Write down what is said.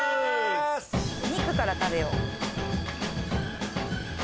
お肉から食べよう。